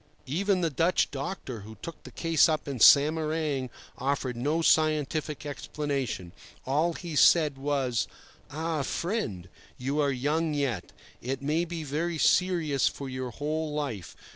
Even the Dutch doctor who took the case up in Samarang offered no scientific explanation. All he said was: "Ah, friend, you are young yet; it may be very serious for your whole life.